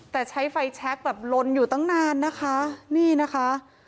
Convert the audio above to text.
แต่ใช้ไฟแชคแบบลนอยู่ตั้งนานนะคะนี่นะคะ